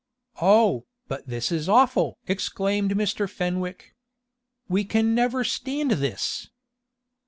"Oh, but this is awful!" exclaimed Mr. Fenwick. "We can never stand this!"